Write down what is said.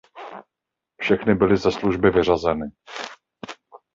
Všechny byly ze služby vyřazeny.